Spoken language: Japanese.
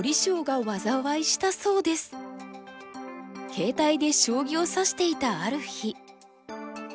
携帯で将棋を指していたある日。